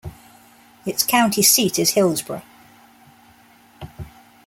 Its county seat is Hillsboro.